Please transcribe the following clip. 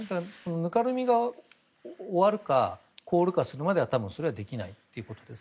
ぬかるみが終わるか凍るかするまでは多分、それはできないということです。